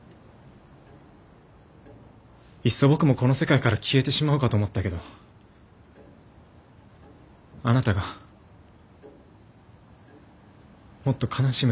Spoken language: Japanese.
いっそ僕もこの世界から消えてしまおうかと思ったけどあなたがもっと悲しむと思った。